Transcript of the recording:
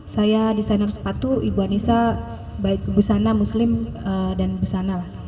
saya desainer sepatu ibu anissa baik busana muslim dan busana lah